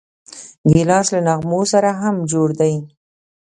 ګیلاس له نغمو سره هم جوړ دی.